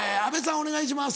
お願いします。